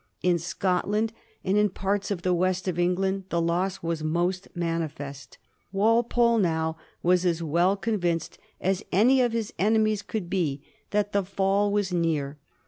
In Scotland and in parts of the west of England the loss was most manifest. Walpole now was as well convinced as any of his enemies could be that the fall was near.